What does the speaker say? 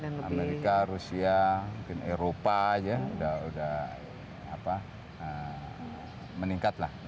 amerika rusia mungkin eropa aja udah meningkat lah